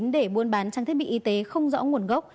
để buôn bán trang thiết bị y tế không rõ nguồn gốc